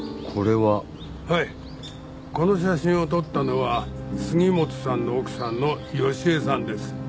はいこの写真を撮ったのは杉本さんの奥さんの好江さんです。